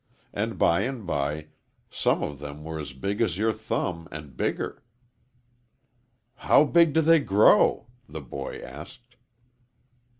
And by and by some of them were as big as your thumb and bigger." "How big do they grow?" the boy asked.